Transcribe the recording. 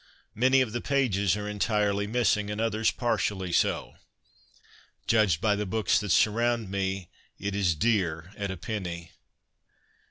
Many of the pages are entirely missing, and others partially so. Judged by the books that surround me, it is dear at a penny